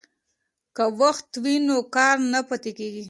که وخت وي نو کار نه پاتیږي.